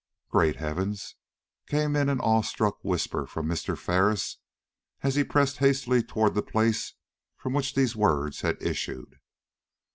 "Great heavens!" came in an awe struck whisper from Mr. Ferris, as he pressed hastily toward the place from which these words had issued.